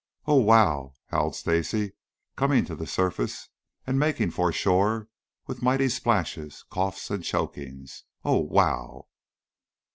"Oh, wow!" howled Stacy, coming to the surface and making for shore with mighty splashes, coughs and chokings. "Oh, wow!"